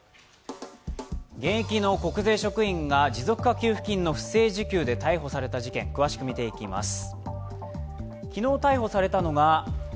現役の国税職員が、持続化給付金の不正受給で逮捕された事件詳しく見ていきます。